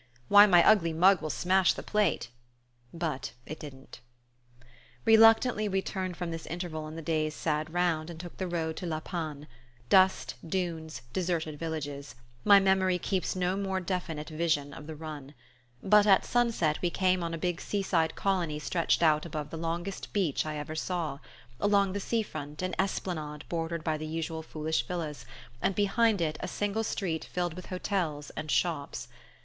Why, my ugly mug will smash the plate!" But it didn't Reluctantly we turned from this interval in the day's sad round, and took the road to La Panne. Dust, dunes, deserted villages: my memory keeps no more definite vision of the run. But at sunset we came on a big seaside colony stretched out above the longest beach I ever saw: along the sea front, an esplanade bordered by the usual foolish villas, and behind it a single street filled with hotels and shops.